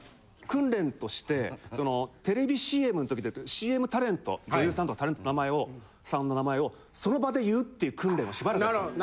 訓練としてテレビＣＭの時ＣＭタレント女優さんとかタレントの名前をその場で言うっていう訓練をしばらくやってます。